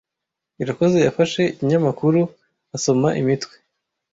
Irakoze yafashe ikinyamakuru asoma imitwe.